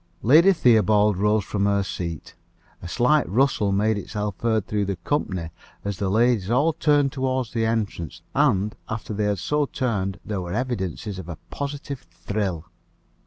Lady Theobald rose from her seat. A slight rustle made itself heard through the company, as the ladies all turned toward the entrance; and, after they had so turned, there were evidences of a positive thrill.